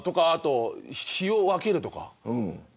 日を分けるとか。